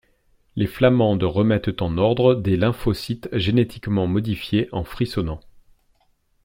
Les flamandes remettent en ordre des lymphocytes génétiquement modifiés en frissonnant.